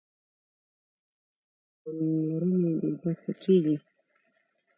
که دا بنسټ له پاملرنې بې برخې کېږي.